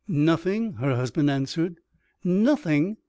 "Nothing," her husband answered. "Nothing!